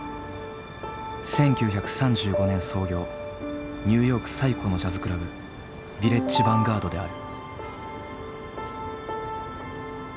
１９３５年創業ニューヨーク最古のジャズクラブヴィレッジ・ヴァンガードである。